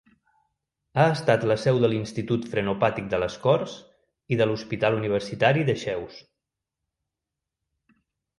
Ha estat la seu de l'Institut Frenopàtic de les Corts i de l'Hospital Universitari Dexeus.